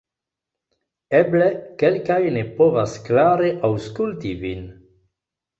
Eble kelkaj ne povas klare aŭskulti vin